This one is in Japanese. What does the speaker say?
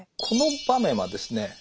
この場面はですね